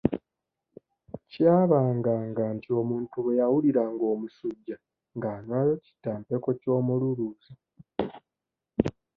Kyabanga nga nti omuntu bwe yawuliranga omusujja ng'anywayo kitampeko ky'omululuuza.